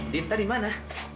dinta di mana